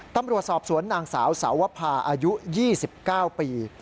ตำรวจสอบสวนนางสาวสาวภาอายุ๒๙ปี